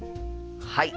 はい。